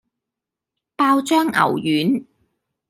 爆醬牛丸